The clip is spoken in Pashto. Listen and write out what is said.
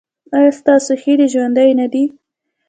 ایا ستاسو هیلې ژوندۍ نه دي؟